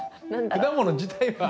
果物自体は。